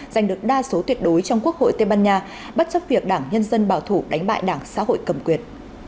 giành được đa số tuyệt đối trong quốc hội tây ban nha bất chấp việc đảng nhân dân bảo thủ đánh bại đảng xã hội cầm quyền